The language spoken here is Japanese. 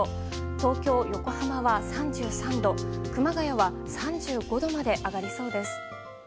東京、横浜は３３度熊谷は３５度まで上がりそうです。